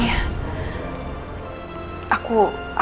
kamu pulang ya